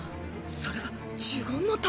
それは呪言の玉。